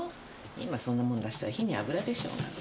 今そんなもん出したら火に油でしょうが。